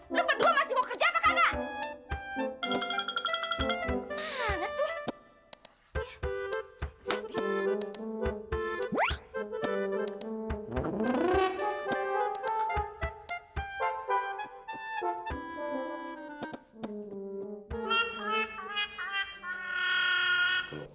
lo berdua masih mau kerja apa kagak